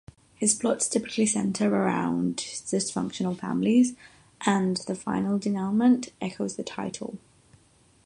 His plots typically centre around dysfunctional families, and the final denouement echoes the title.